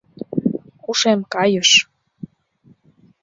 Ушем кайыш...